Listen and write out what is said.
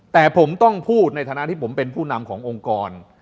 แต่ผมต้องพูดในฐานะที่ผมเป็นผู้นำขององค์กร